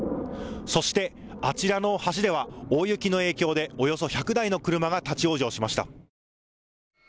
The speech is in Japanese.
そして、あちらの橋では大雪の影響でおよそ１００台の車が立往生しました。